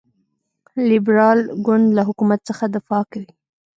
لیبرال ګوند له حکومت څخه دفاع کوي.